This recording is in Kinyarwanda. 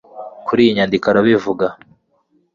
Kuri iyi nyandiko arabivuga